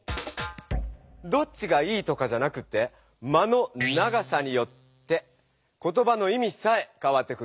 どっちがいいとかじゃなくて「間」の長さによって言葉のいみさえかわってくるんだね。